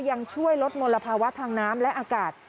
ยังช่วยลดมลภาวะทางน้ำและอากาศ